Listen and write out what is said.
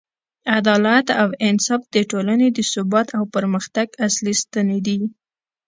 عدالت او انصاف د ټولنې د ثبات او پرمختګ اصلي ستنې دي.